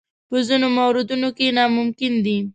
په ځینو موردونو کې ناممکن دي.